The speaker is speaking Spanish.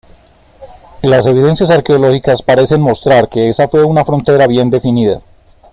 Las evidencias arqueológicas parecen mostrar que esa fue una frontera bien defendida.